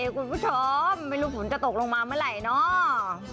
คุณผู้ชมไม่รู้ฝนจะตกลงมาเมื่อไหร่เนอะ